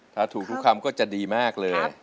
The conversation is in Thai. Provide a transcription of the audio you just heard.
ถ้าถูกทุกคำก็จะดีมากเลย